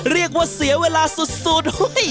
เรียกว่าเสียเวลาสุด